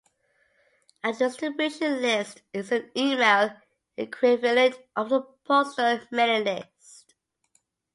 A distribution list is an email equivalent of a postal mailing list.